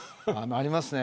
ありますね。